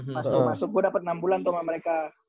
pas lu masuk gue dapet enam bulan sama mereka